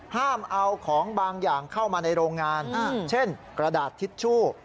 ห้ามเอาของบางอย่างเข้ามาในโรงงานเช่นกระดาษทิชชู่